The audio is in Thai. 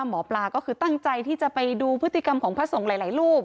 หมอปลาก็คือตั้งใจที่จะไปดูพฤติกรรมของพระสงฆ์หลายรูป